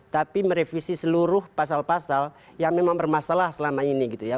tapi merevisi seluruh pasal pasal yang memang bermasalah selama ini gitu ya